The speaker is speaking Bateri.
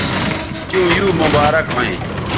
تیوں یو مبارک ھویں